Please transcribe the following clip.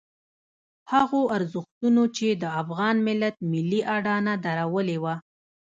هغو ارزښتونو چې د افغان ملت ملي اډانه درولې وه.